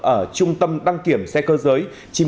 ở trung tâm đăng kiểm xe cơ giới